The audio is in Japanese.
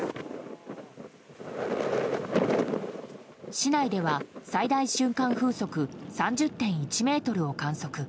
市内では最大瞬間風速３０．１メートルを観測。